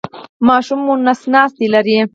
ماشوم مو نس ناستی لري؟